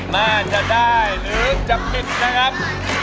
แม่จะได้หรือจะผิดนะครับ